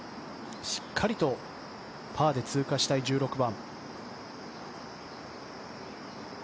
しっかりとパーで通過したい１６番。